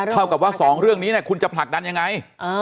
เท่ากับว่า๒เรื่องนี้คุณจะผลักดันยังไง